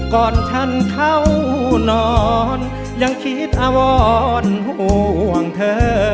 ก่อนฉันเข้านอนยังคิดอวรห่วงเธอ